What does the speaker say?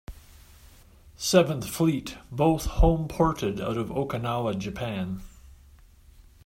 Seventh Fleet, both homeported out of Okinawa, Japan.